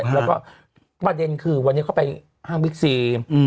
แล้วก็ประเด็นคือวันนี้เขาไปห้างบิ๊กซี